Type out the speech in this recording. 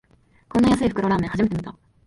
こんな安い袋ラーメン、初めて見た